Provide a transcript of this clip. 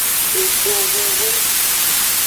Ekplon hwehwe.